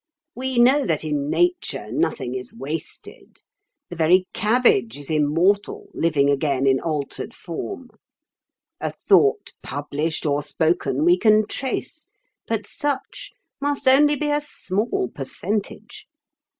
We know that in Nature nothing is wasted; the very cabbage is immortal, living again in altered form. A thought published or spoken we can trace, but such must only be a small percentage.